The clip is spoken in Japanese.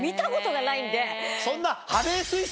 そんな。